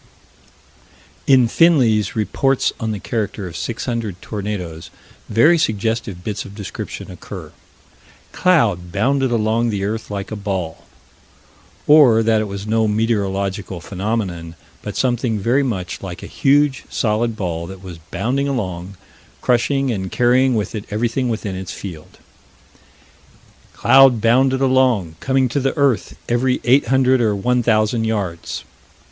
In Finley's Reports on the Character of 600 Tornadoes very suggestive bits of description occur: "Cloud bounded along the earth like a ball" Or that it was no meteorological phenomenon, but something very much like a huge solid ball that was bounding along, crushing and carrying with it everything within its field "Cloud bounded along, coming to the earth every eight hundred or one thousand yards."